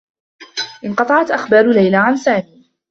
انقطعت أخبار ليلى عن سامي.